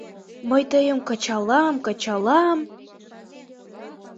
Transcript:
Мый тыйым кычалам, кычалам...